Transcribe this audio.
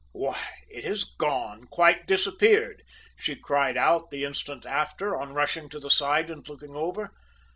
"`Why, it has gone quite disappeared!' she cried out the instant after, on rushing to the side and looking over.